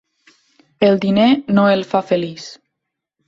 El diner no el fa feliç.